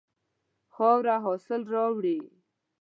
خاوره حاصل راوړي.